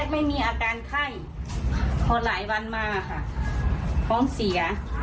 แรกไม่มีอาการไข้เพราะหลายวันมาค่ะพร้อมเสีย